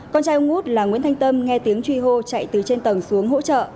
con trai ông út là nguyễn thanh tâm nghe tiếng truy hô chạy từ trên tầng xuống hỗ trợ